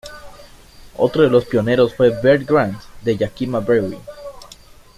Otro de los pioneros fue Bert Grant de Yakima Brewing.